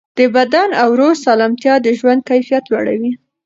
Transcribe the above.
د بدن او روح سالمیت د ژوند کیفیت لوړوي.